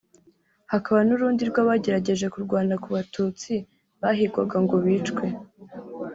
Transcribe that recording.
hakaba n’urundi rw’abagerageje kurwana ku Batutsi bahigwaga ngo bicwe